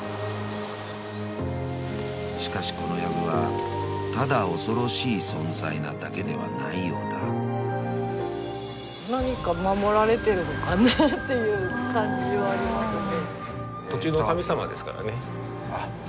［しかしこのやぶはただ恐ろしい存在なだけではないようだ］ていう感じはありますね。